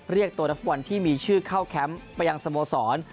เรียกตัวนักฟุตบอลที่มีชื่อเข้าแคมป์ไปยังสโมสร